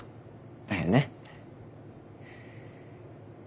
だよね。